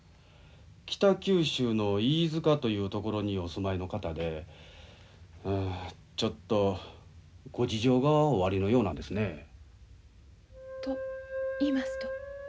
北九州の飯塚という所にお住まいの方でちょっとご事情がおありのようなんですね。と言いますと？